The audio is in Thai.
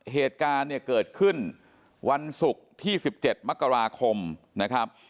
เหตุการณ์เนี่ยเกิดขึ้นวันศุกร์ที่๑๗มกราคมนะครับ